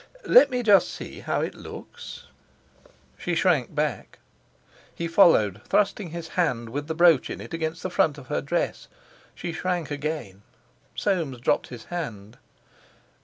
"Let me just see how it looks." She shrank back. He followed, thrusting his hand with the brooch in it against the front of her dress. She shrank again. Soames dropped his hand.